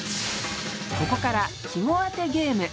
ここから季語あてゲーム。